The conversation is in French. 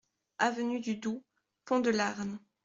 Avenue du Doul, Pont-de-Larn